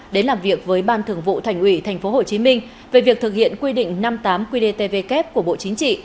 đến làm việc với ban thường vụ thành ủy tp hcm về việc thực hiện quy định năm mươi tám qdtvk của bộ chính trị